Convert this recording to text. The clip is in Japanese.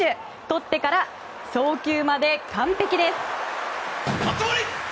とってから送球まで完璧です。